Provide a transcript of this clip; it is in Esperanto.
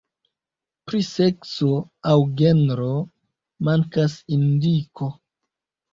Pri sekso aŭ genro mankas indiko.